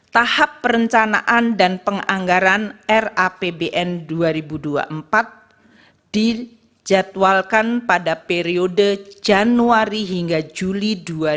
tahap perencanaan dan penganggaran rapbn dua ribu dua puluh empat dijadwalkan pada periode januari hingga juli dua ribu dua puluh